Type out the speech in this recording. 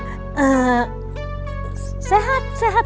sehat sehat sehat